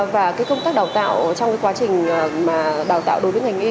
và cái công tác đào tạo trong cái quá trình mà đào tạo đối với ngành y